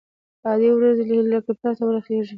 ادې ورځي هليكاپټر ته ورخېژي.